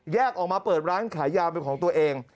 ออกมาเปิดร้านขายยาเป็นของตัวเอง